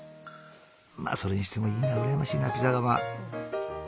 まあそれにしてもいいな羨ましいなピザ窯。